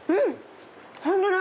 本当だ！